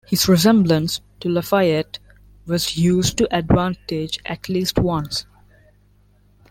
His resemblance to Lafayette was used to advantage at least once.